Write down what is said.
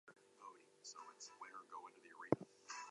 Another example is Gogarloch in the South Gyle area.